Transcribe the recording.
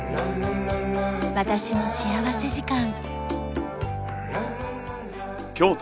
『私の幸福時間』。